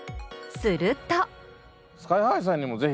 すると。